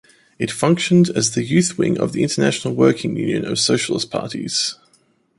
It functioned as the youth wing of the International Working Union of Socialist Parties.